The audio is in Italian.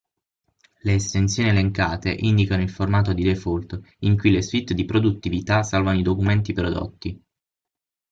Le estensioni elencate indicano il formato di default in cui le suite di produttività salvano i documenti prodotti.